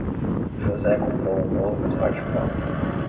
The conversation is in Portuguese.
José comprou um novo smartphone.